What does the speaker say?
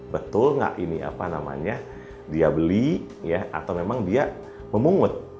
betul nggak ini apa namanya dia beli atau memang dia memungut